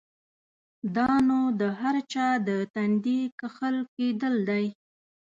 دا نو د هر چا د تندي کښل کېدل دی؛